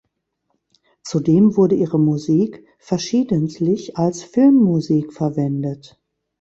Zudem wurde ihre Musik verschiedentlich als Filmmusik verwendet.